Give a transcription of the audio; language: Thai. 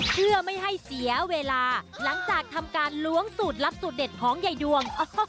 เพื่อไม่ให้เสียเวลาหลังจากทำการล้วงสูตรลับสูตรเด็ดของยายดวง